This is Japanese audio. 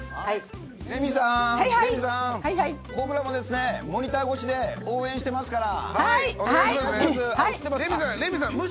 レミさん僕らも、モニター越しで応援していますから！